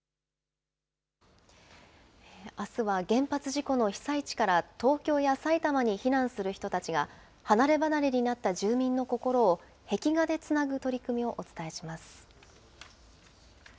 あすは原発事故の被災地から、東京や埼玉に避難する人たちが、離れ離れになった住民の心を壁画でつなぐ取り組みをお伝えします。